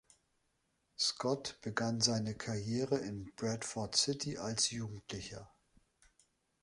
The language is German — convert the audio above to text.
Scott begann seine Karriere bei Bradford City als Jugendlicher.